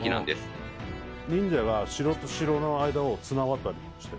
忍者が城と城の間を綱渡りしてるの。